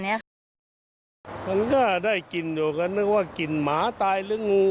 เนี้ยมันก็ได้กินเดี๋ยวก็นึกว่ากินหมาตายหรืองู